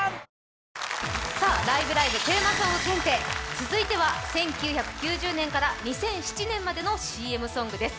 続いては１９９０年から２００７年までのＣＭソングです。